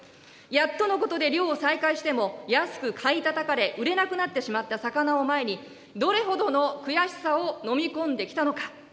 やっとのことで漁を再開しても、安く買いたたかれ、売れなくなってしまった魚を前に、どれほどの悔しさを飲み込んできたのか。